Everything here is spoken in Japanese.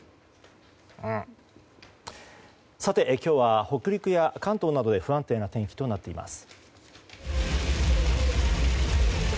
さて、今日は北陸や関東などで不安定な天気となっています。